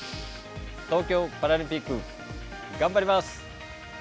東京パラリンピック頑張ります！